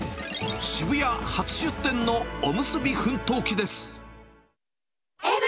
渋谷初出店のおむすび奮闘記です。